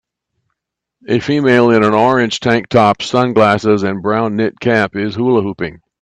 A female in an orange tank top, sunglasses, and brown knit cap is hula hooping.